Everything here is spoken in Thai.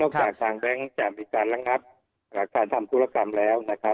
นอกจากทางแบงค์แจ่มอิการลังับกราคาทำธุรกรรมแล้ว